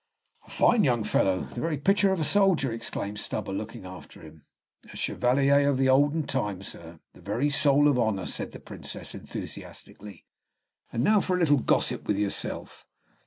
"A fine young fellow, the very picture of a soldier," exclaimed Stubber, looking after him. "A chevalier of the olden time, sir, the very soul of honor," said the Princess, enthusiastically. "And now for a little gossip with yourself."